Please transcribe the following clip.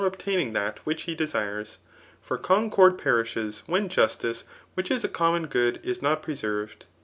obtaining that which he desires. For concord perishes when justice, which is a common good, is not preserved.